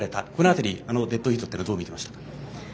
この辺りのデッドヒートはどう見ていましたか。